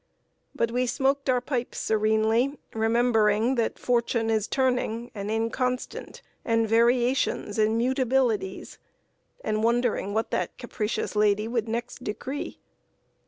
But we smoked our pipes serenely, remembering that "Fortune is turning, and inconstant, and variations, and mutabilities," and wondering what that capricious lady would next decree.